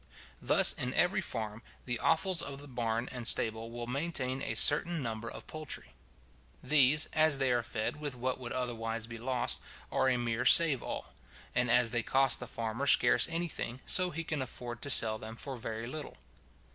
Thus, in every farm, the offals of the barn and stable will maintain a certain number of poultry. These, as they are fed with what would otherwise be lost, are a mere save all; and as they cost the farmer scarce any thing, so he can afford to sell them for very little.